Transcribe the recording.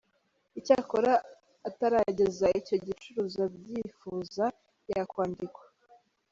Icyakora atarageza icyo gicuruzo abyifuza yakwandikwa.